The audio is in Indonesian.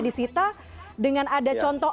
disita dengan ada contoh